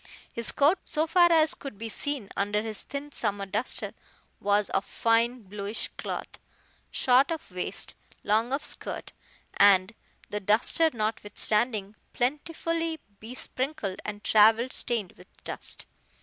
His coat, so far as could be seen under his thin summer duster was of fine bluish cloth, short of waist, long of skirt, and the duster notwithstanding plentifully besprinkled and travel stained with dust.